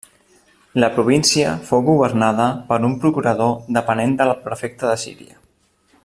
La província fou governada per un procurador depenent del prefecte de Síria.